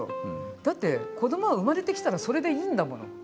だって子どもは生まれてきたらそれでいいんだもの。